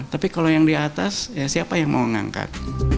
tapi kalau yang di atas siapa yang mau mengangkat